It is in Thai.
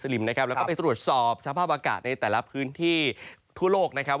ชาวมุสลิมนะครับครับแล้วก็ไปตรวจสอบสภาพอากาศในแต่ละพื้นที่ทั่วโลกนะครับ